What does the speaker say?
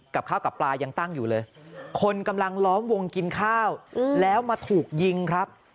กับข้าวกับปลายังตั้งอยู่เลยคนกำลังล้อมวงกินข้าวแล้วมาถูกยิงครับ